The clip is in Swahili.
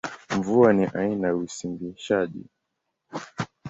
Mvua ni aina ya usimbishaji.